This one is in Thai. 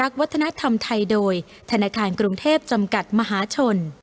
กรุงเทพฯจำกัดมหาชน